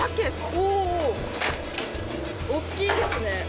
おぉ大きいですね。